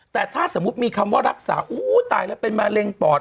แต่ถ้าสมมุติมีคำว่ารักษาอู้ตายแล้วเป็นมะเร็งปอด